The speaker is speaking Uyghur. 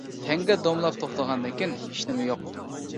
تەڭگە دومىلاپ توختىغاندىن كېيىن، ھېچنېمە يوق.